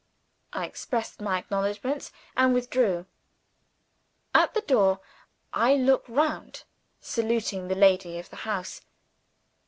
I expressed my acknowledgments, and withdrew. At the door, I look round, saluting the lady of the house.